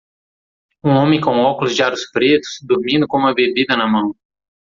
um homem com óculos de aros pretos, dormindo com uma bebida na mão